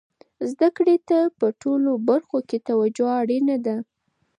زده کړې ته په ټولو برخو کې توجه اړینه ده.